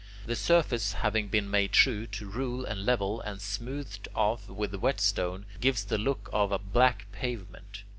The surface having been made true to rule and level, and smoothed off with whetstone, gives the look of a black pavement.